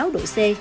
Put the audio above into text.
bốn sáu độ c